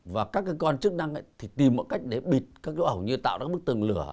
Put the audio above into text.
và các cơ quan chức năng thì tìm một cách để bịt các dấu hổng như tạo ra bức tường lửa